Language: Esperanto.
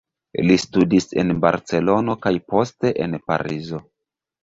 Li studis en Barcelono kaj poste en Parizo.